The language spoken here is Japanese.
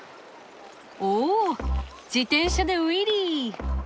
おお自転車でウィリー！